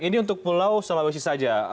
ini untuk pulau sulawesi saja